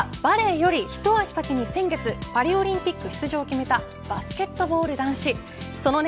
続いては、バレーより一足先に先月、パリオリンピック出場を決めたバスケットボール男子。